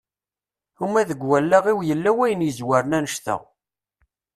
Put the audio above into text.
Uma deg wallaɣ-iw yella wayen yezwaren annect-a.